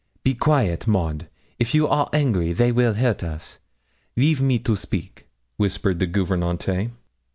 'Be quaite, Maud. If you are angry, they will hurt us; leave me to speak,' whispered the gouvernante.